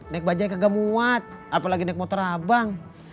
nek bajaj kagak muat apalagi nek motor abang